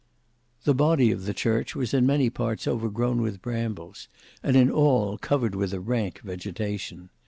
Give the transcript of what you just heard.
The body of the church was in many parts overgrown with brambles and in all covered with a rank vegetation.